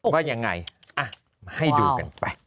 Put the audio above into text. ว่ายังไงให้ดูกันไป